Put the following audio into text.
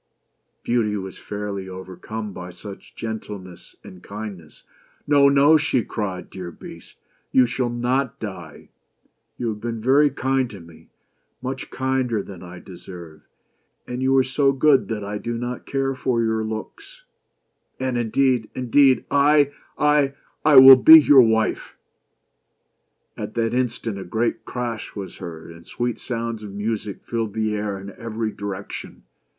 Beauty was fairly overcome by so much gentleness and kindness. "No! no!" she cried, "dear Beast, you shall not die. You have been very kind to me — much kinder than I deserve — and you are so good that I do not care for your looks; and indeed — indeed — I — I will be your wife !" At that instant a great crash was heard, and sweet sounds of music filled the air in every direction.